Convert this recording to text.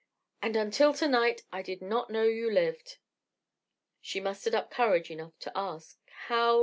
"And until to night I did not know you lived!" She mustered up courage enough to ask: "How—?"